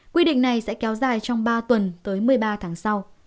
quy định này sẽ kéo dài trong ba tuần tới một mươi ba tháng sau